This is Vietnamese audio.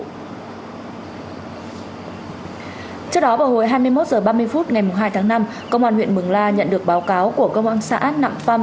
trước đó vào hồi hai mươi một h ba mươi phút ngày hai tháng năm công an huyện mường la nhận được báo cáo của công an xã nạm păm